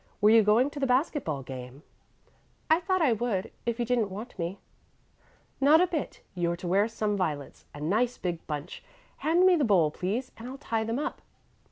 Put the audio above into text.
Were you going to the basket ball game?" "I thought I would, if you didn't want me." "Not a bit, and you're to wear some violets a nice big bunch. Hand me the bowl, please, and I'll tie them up."